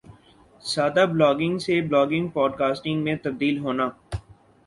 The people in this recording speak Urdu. سادہ بلاگنگ سے بلاگنگ پوڈ کاسٹنگ میں تبدیل ہونا